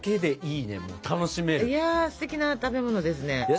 いやすてきな食べ物ですね。